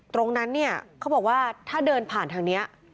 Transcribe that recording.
ตรงนั้นเนี่ยเขาบอกว่าถ้าเดินผ่านทางนี้